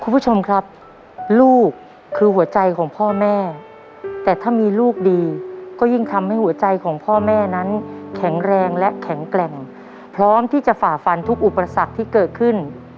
คุณผู้ชมครับลูกคือหัวใจของพ่อแม่แต่ถ้ามีลูกดีก็ยิ่งทำให้หัวใจของพ่อแม่นั้นแข็งแรงและแข็งแกร่งพร้อมที่จะฝ่าฟันทุกอุปสรรคที่เกิดขึ้น